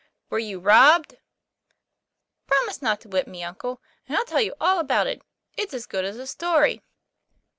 " Were you robbed ?" "Promise not to whip me, uncle, and I'll tell you all about it. It's as good as a story."